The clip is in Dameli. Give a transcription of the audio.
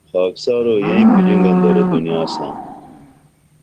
خاکسارو یئیں پلنگن درو دنیا ساں